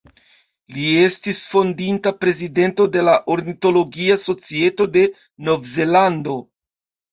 Li estis fondinta Prezidento de la Ornitologia Societo de Novzelando.